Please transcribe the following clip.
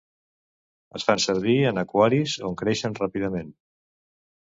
Es fan servir en aquaris on creixen ràpidament.